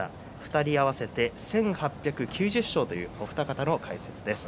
２人合わせて１８９０勝というお二方の解説です。